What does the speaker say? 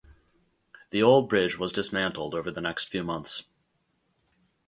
The old bridge was dismantled over the next few months.